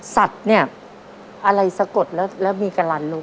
สัตว์เนี่ยอะไรสะกดแล้วมีกะลันลูก